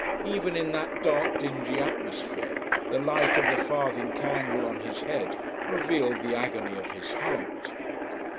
Even in that dark, dingy atmosphere the light of the farthing candle on his head revealed the agony of his heart.